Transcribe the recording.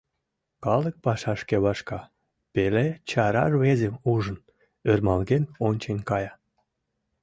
Калык пашашке вашка, пеле чара рвезым ужын, ӧрмалген ончен кая.